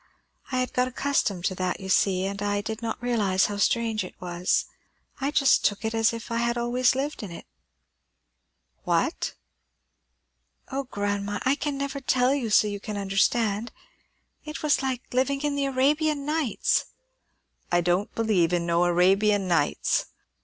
I had got accustomed to that, you see; and I did not realize how strange it was. I just took it as if I had always lived in it." "What?" "O grandma, I can never tell you so that you can understand! It was like living in the Arabian Nights." "I don't believe in no Arabian Nights."